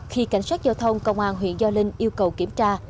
khi cảnh sát giao thông công an huyện do linh yêu cầu kiểm tra